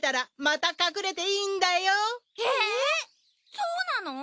そうなの？